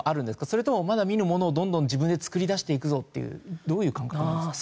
それともまだ見ぬものをどんどん自分で作り出していくぞっていうどういう感覚なんですか？